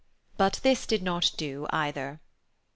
But this did not do, either.